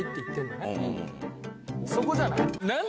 そこじゃない？